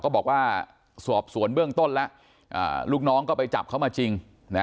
บอกว่าสอบสวนเบื้องต้นแล้วลูกน้องก็ไปจับเขามาจริง